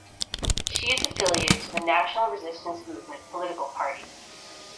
She is affiliated to the National Resistance Movement political party.